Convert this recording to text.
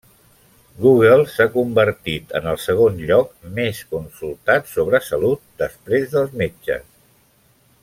Google s'ha convertit en el segon lloc més consultat sobre salut, després dels metges.